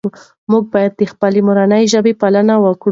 موږ باید د خپلې مورنۍ ژبې پالنه وکړو.